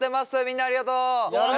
みんなありがとう。